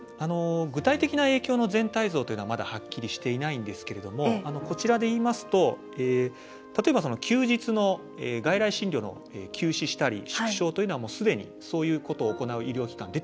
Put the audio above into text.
具体的な影響の全体像というのはまだはっきりしていないんですけれどもこちらでいいますと例えば休日の外来診療を休止したり縮小というのはすでにそういうことを行う医療機関出てきています。